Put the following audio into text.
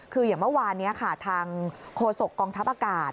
คืออย่างเมื่อวานทางโคศกองทัพอากาศ